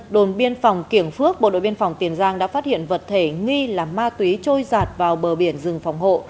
đồn biên phòng kiểng phước bộ đội biên phòng tiền giang đã phát hiện vật thể nghi là ma túy trôi giạt vào bờ biển rừng phòng hộ